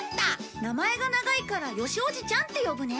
名前が長いから義おじちゃんって呼ぶね